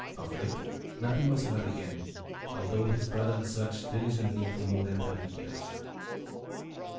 Of Rick nothing was heard again, although his brother searched diligently for more than thirty years."